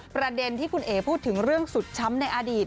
ประเด็นที่คุณเอ๋พูดถึงเรื่องสุดช้ำในอดีต